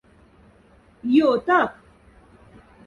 Ётак!